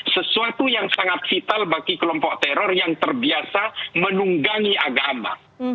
sesuatu yang sangat vital bagi kelompok teror yang terbiasa menunggangi agama